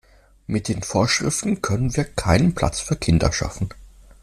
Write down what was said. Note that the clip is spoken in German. Mit den Vorschriften können wir keinen Platz für Kinder schaffen.